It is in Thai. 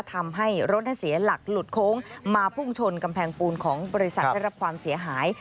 ทำให้รถเสียหลักหลุดโค้งมาพุ่งชนกำแพงปูนของบริษัทได้รับความเสียหาย